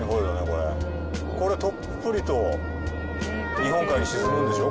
これこれとっぷりと日本海に沈むんでしょ？